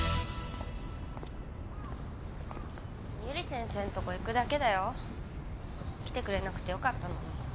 ゆり先生んとこ行くだけだよ。来てくれなくてよかったのに。